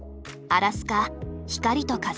「アラスカ光と風」。